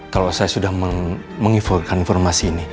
kalau saya sudah menginformasikan informasi ini